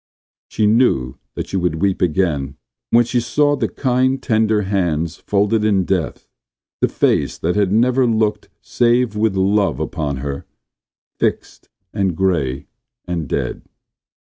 She knew that she would weep again when she saw the kind, tender hands folded in death; the face that had never looked save with love upon her, fixed and gray and dead.